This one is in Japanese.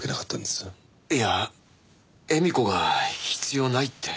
いや絵美子が必要ないって。